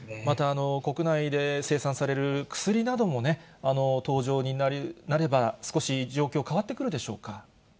また、国内で生産される薬などもね、登場になれば、少し状況、変わってくるでしょうか。